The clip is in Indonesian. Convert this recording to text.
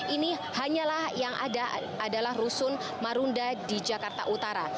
ini hanyalah yang ada adalah rusun marunda di jakarta utara